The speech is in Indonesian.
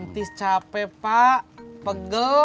tis capek pak pegel